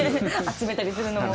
集めたりするのも。